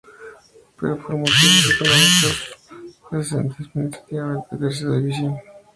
Pero por motivos económicos, descendió administrativamente a Tercera División.